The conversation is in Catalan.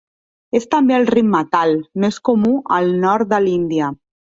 És també el ritme "tal" més comú al nord de l'Índia.